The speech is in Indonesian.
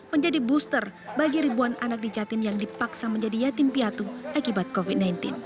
menjadi booster bagi ribuan anak di jatim yang dipaksa menjadi yatim piatu akibat covid sembilan belas